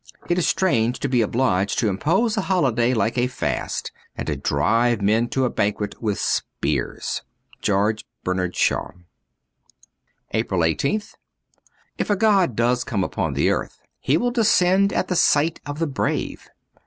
It is strange to be obliged to impose a holiday like a fast, and to drive men to a banquet with spears. ' George Bernard Shazv.'' "7 APRIL 1 8th IF a god does come upon the earth, he will descend at the sight of the brave.